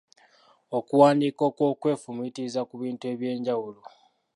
Okuwandiika okw'okwefumitiriza ku bintu eby'enjawulo.